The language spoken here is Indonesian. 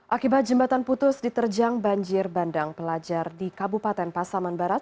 akibat jembatan putus diterjang banjir bandang pelajar di kabupaten pasaman barat